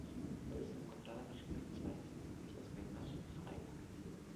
Puede ser encontrada en los siguientes países: Islas Caimán y Jamaica.